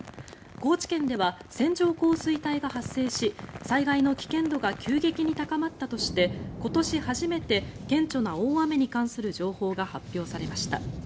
高知県では線状降水帯が発生し災害の危険度が急激に高まったとして今年初めて顕著な大雨に関する情報が発表されました。